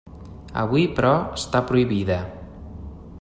Avui, però, està prohibida.